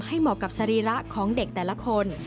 เหมาะกับสรีระของเด็กแต่ละคน